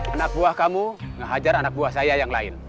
anak buah kamu ngajar anak buah saya yang lain